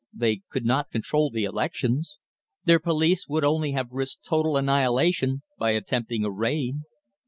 They could not control the elections. Their police would only have risked total annihilation by attempting a raid.